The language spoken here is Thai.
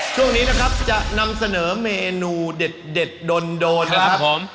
ช่วงนี้นะครับจะนำเสนอเมนูเด็ดโดน